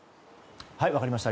分かりました。